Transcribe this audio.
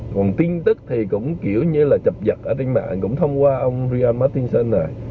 còn tin tức thì cũng kiểu như là chập giật ở trên mạng cũng thông qua ông rian martinson này